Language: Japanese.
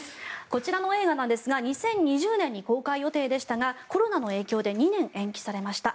こちらの映画なんですが２０２０年に公開予定でしたがコロナの影響で２年延期されました。